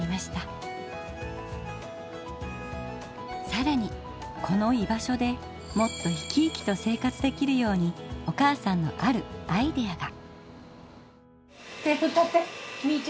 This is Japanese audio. さらにこの居場所でもっと生き生きと生活できるようにお母さんのあるアイデアが。